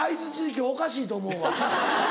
今日おかしいと思うわ。